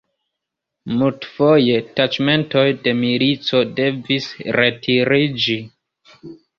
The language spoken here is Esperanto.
Multfoje taĉmentoj de milico devis retiriĝi.